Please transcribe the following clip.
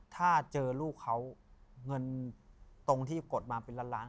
ถ้าเจอลูกเขาเงินตรงที่กดมาเป็นล้านล้าน